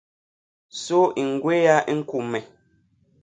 Sô i ñgwéya ñkume.